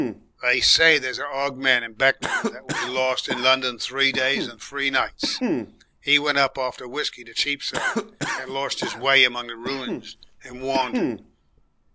"They say there's a 'og man in Beck'n'am what was lost in London three days and three nights. 'E went up after whiskey to Cheapside, and lorst 'is way among the ruins and wandered.